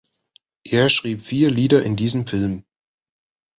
Er schrieb vier Lieder in diesem Film.